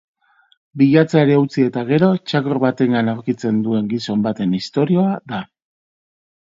Bilatzeari utzi eta gero txakur batengan aurkitzen duen gizon baten istorioa da.